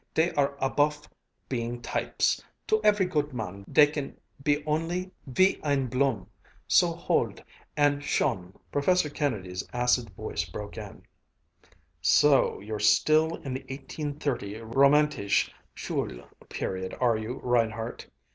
"Dey are abofe being types. To every good man, dey can be only wie eine blume, so hold and schön " Professor Kennedy's acid voice broke in "So you're still in the 1830 Romantische Schule period, are you, Reinhardt?"